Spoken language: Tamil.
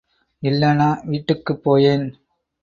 இல்லன்னா வீட்டுக்குப் போயேன்.